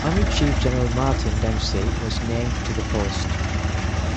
Army chief General Martin Dempsey was named to the post.